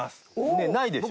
ねっないでしょ？